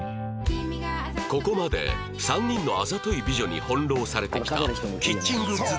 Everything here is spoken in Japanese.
ここまで３人のあざとい美女に翻弄されてきたキッチングッズ